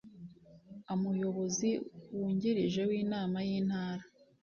Amuyobozi wungirije w inama y intara